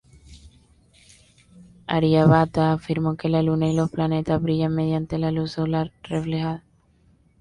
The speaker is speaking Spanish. Aryabhata afirmó que la Luna y los planetas brillan mediante la luz solar reflejada.